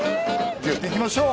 じゃあやっていきましょう